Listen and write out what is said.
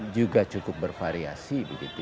juga cukup bervariasi